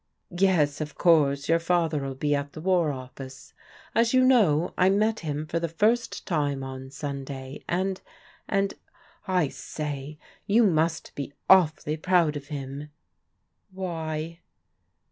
" Yes, of course your father'll be at the War Office. As you know, I met him for the first time on Sunday, and — and — I say, you must be awfully proud of him !" "Why?"